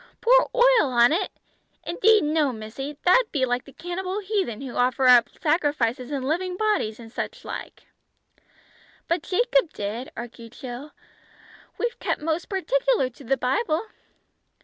Pour oil on it? Indeed no, missy. That be like the cannibal heathen who offer up sacrifices and living bodies, an' such like." "But Jacob did," argued Jill. "We've kept most particular to the Bible."